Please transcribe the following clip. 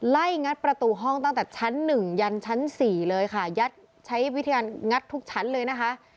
ไหล้งัดประตูห้องตั้งแต่ชั้น๑ยันต์ชั้น๔เลยค่ะใช้วิทยาลงัดทุกชั้นเลยนะคะ